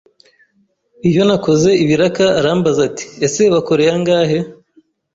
Iyo nakoze ibiraka, arambaza ati :" Ese wakoreye angahe,